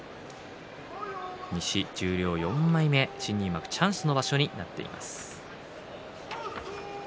西十両４枚目、新入幕チャンスの場所になっています。